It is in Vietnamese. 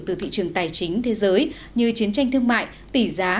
từ thị trường tài chính thế giới như chiến tranh thương mại tỷ giá